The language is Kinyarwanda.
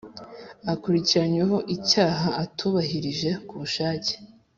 Ukurikiranyweho icyaha atubahirije ku bushake